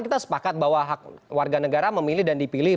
kita sepakat bahwa hak warga negara memilih dan dipilih